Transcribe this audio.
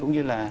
cũng như là